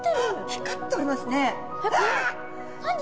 光っております。